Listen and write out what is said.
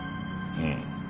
うん。